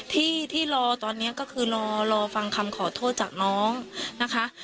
ที่ที่รอตอนนี้ก็คือรอฟังคำขอโทษจากน้องนะคะ